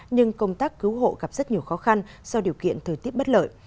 nhưng công tác cứu hộ gặp rất nhiều khó khăn do điều kiện thời tiết bất lợi